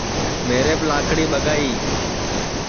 میریپ لاکڑی ٻگائی